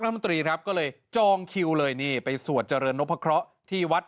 มนตรีครับก็เลยจองคิวเลยนี่ไปสวดเจริญนพะเคราะห์ที่วัด